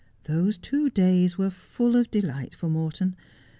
Those two days were full of delight for Morton.